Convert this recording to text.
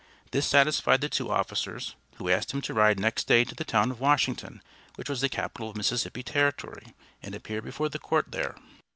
This satisfied the two officers, who asked him to ride next day to the town of Washington, which was the capital of Mississippi Territory, and appear before the court there.